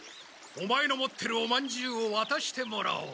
オマエの持ってるおまんじゅうをわたしてもらおう。